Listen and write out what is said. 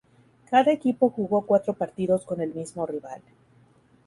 Cada equipo jugó cuatro partidos con el mismo rival.